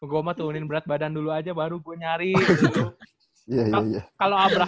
goma tuh unin berat badan dulu aja baru bu nyari gitu